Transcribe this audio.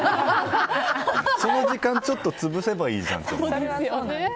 その時間ちょっと潰せばいいじゃんって。